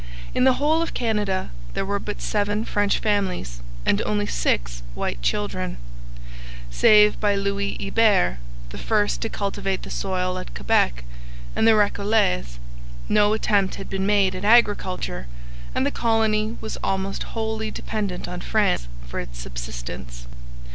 In the whole of Canada there were but seven French families and only six white children. Save by Louis Hebert, the first to cultivate the soil at Quebec, and the Recollets, no attempt had been made at agriculture, and the colony was almost wholly dependent on France for its subsistence.